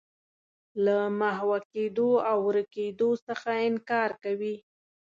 له محوه کېدو او ورکېدو څخه انکار کوي.